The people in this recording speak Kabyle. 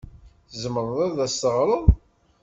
Tzemreḍ ad as-teɣreḍ?